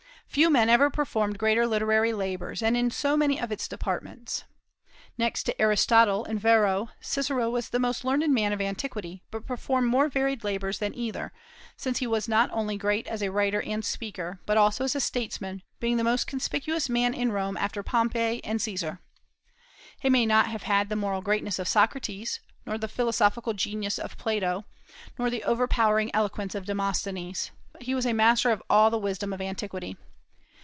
Few men ever performed greater literary labors, and in so many of its departments. Next to Aristotle and Varro, Cicero was the most learned man of antiquity, but performed more varied labors than either, since he was not only great as a writer and speaker, but also as a statesman, being the most conspicuous man in Rome after Pompey and Caesar. He may not have had the moral greatness of Socrates, nor the philosophical genius of Plato, nor the overpowering eloquence of Demosthenes, but he was a master of all the wisdom of antiquity.